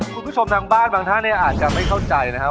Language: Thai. คุณผู้ชมทางบ้านบางท่านอาจจะไม่เข้าใจค่ะ